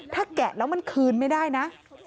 ถ้าแกะแล้วมันคืนไม่ได้นะ